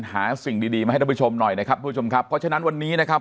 หาสิ่งดีดีมาให้ท่านผู้ชมหน่อยนะครับทุกผู้ชมครับเพราะฉะนั้นวันนี้นะครับ